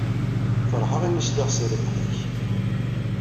Feṛḥeɣ imi i sliɣ s rrbeḥ-ik.